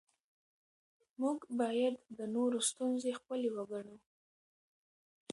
موږ باید د نورو ستونزې خپلې وګڼو